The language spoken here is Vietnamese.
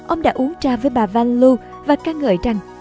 ông đã uống trà với bà van loo và ca ngợi rằng